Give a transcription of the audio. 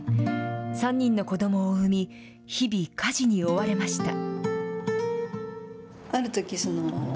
３人の子どもを産み、日々家事に追われました。